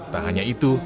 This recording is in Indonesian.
tak hanya itu